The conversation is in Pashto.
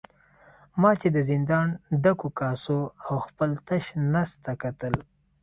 ما چې د زندان ډکو کاسو او خپل تش نس ته کتل.